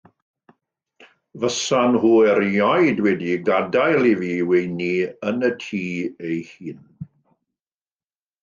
Fysan nhw erioed wedi gadael i fi weini yn y tŷ ei hun.